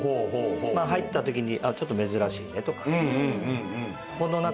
入った時に「ちょっと珍しいね」とか。